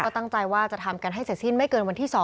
ตั้งใจว่าจะทำกันให้เสร็จสิ้นไม่เกินวันที่๒